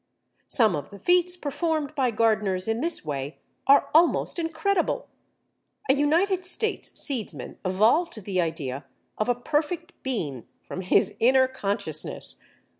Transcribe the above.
Some of the feats performed by gardeners in this way are almost incredible. A United States seedsman evolved the idea of a perfect bean from his inner consciousness.